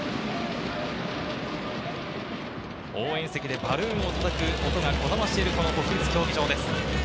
応援席でバルーンをたたく音がこだましている国立競技場です。